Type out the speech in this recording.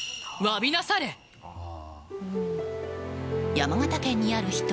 山形県にある秘湯